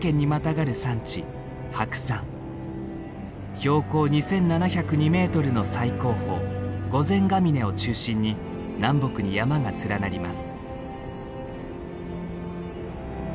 標高２，７０２メートルの最高峰御前峰を中心に南北に山が連なります。